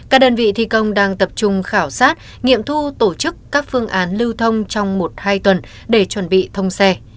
các đơn vị thi công đang tập trung khảo sát nghiệm thu tổ chức các phương án lưu thông trong một hai tuần để chuẩn bị thông xe